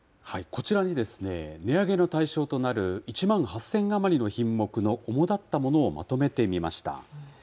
こちらに値上げの対象となる１万８０００余りの品目の主だったものをまとめてみました。